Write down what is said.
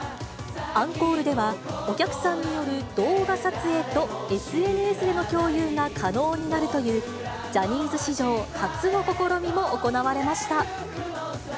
アンコールでは、お客さんによる動画撮影とＳＮＳでの共有が可能になるという、ジャニーズ史上初の試みも行われました。